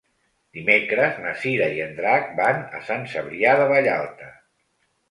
Dimecres na Cira i en Drac van a Sant Cebrià de Vallalta.